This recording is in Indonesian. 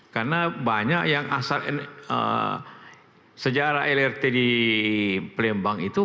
karena banyak yang asal sejarah lrt di pelembang itu